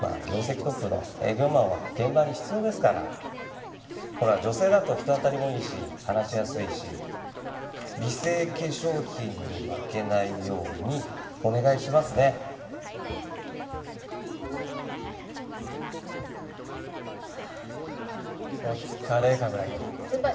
まあ業績トップの営業マンは現場に必要ですからほら女性だと人当たりもいいし話しやすいし美生化粧品に負けないようにお願いしますねお疲れ鏑木先輩